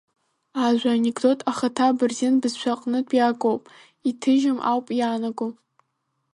Ажәа анекдот ахаҭа абырзен бызшәа аҟнытә иаагоуп, иҭыжьым ауп иаанаго.